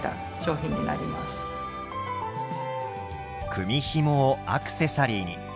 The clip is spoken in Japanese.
組みひもをアクセサリーに。